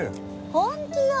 本気よ！